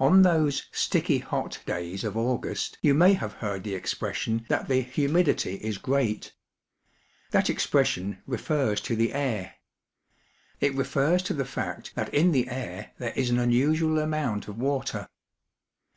On those " sticky hot " days of August you may have heard the expression that the " humidity is great." That expression refers to the air. It refers to the fact that in the air there is an unusual amount of water.